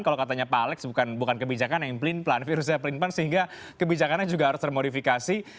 kalau katanya pak alex bukan kebijakan yang pelin pelan virusnya pelin pelan sehingga kebijakannya juga harus termodifikasi